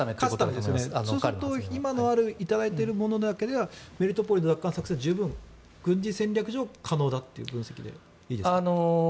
ということは今頂いているものだけではメリトポリの奪還作戦は軍事戦略上可能だという分析でいいですか。